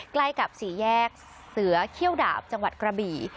ใกล้กับสี่แยกเสือเขี้ยวดาบจังหวัดกระบี่